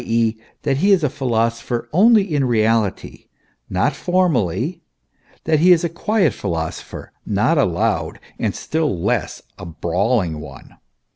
e., that he is a philosopher only in reality, not formally, that he is a quiet philosopher, not a loud and still less a brawling one.